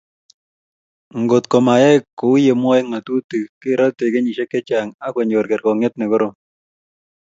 Ngotko mayai kouye mwoei ngatutiet kerotei kenyisiek chechang ak konyor kergongiet ne korom